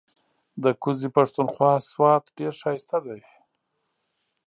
ده کوزی پښتونخوا سوات ډیر هائسته دې